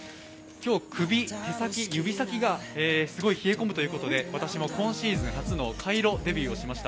今日、首、手先、指先が冷え込むということで私も今シーズン初のカイロデビューをしました。